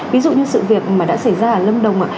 ví dụ như sự việc mà đã xảy ra ở lâm đồng ạ